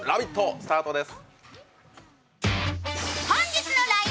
スタートです。